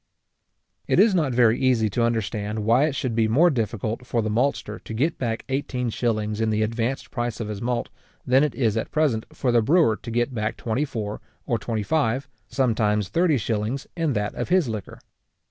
It is not very easy to understand why it should be more difficult for the maltster to get back eighteen shillings in the advanced price of his malt, than it is at present for the brewer to get back twenty four or twenty five, sometimes thirty shillings, in that of his liquor.